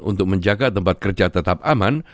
untuk menjaga tempat kerja tetap aman